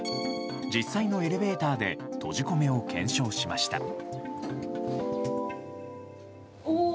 実際のエレベーターで閉じ込めを検証しました。